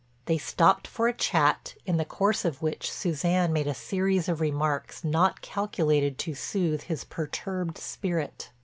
They stopped for a chat in the course of which Suzanne made a series of remarks not calculated to soothe his perturbed spirit.